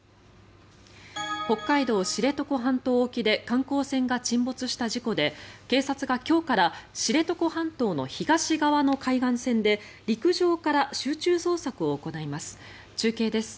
北海道・知床半島沖で観光船が沈没した事故で警察が今日から知床半島の東側の海岸線で陸上から集中捜索を行います。